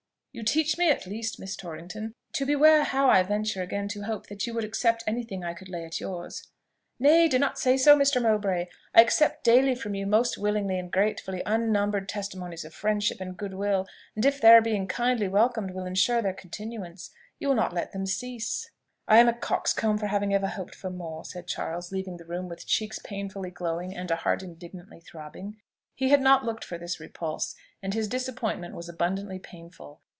"You teach me at least, Miss Torrington, to beware how I venture again to hope that you would accept any thing I could lay at yours." "Nay, do not say so, Mr. Mowbray: I accept daily from you most willingly and gratefully unnumbered testimonies of friendship and good will; and if their being kindly welcomed will ensure their continuance, you will not let them cease." "I am a coxcomb for having ever hoped for more," said Charles, leaving the room with cheeks painfully glowing and a heart indignantly throbbing. He had not looked for this repulse, and his disappointment was abundantly painful.